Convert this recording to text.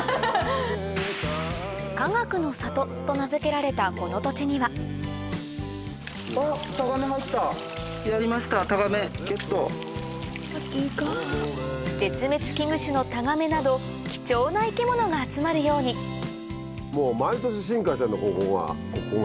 「かがくのさと」と名付けられたこの土地には絶滅危惧種のタガメなど貴重な生き物が集まるようにここが。